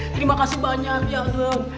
terima kasih banyak ya